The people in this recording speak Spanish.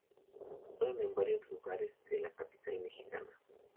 Actuaron en varios lugares de la capital mexicana.